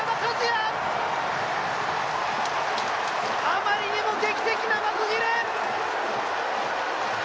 あまりにも劇的な幕切れ。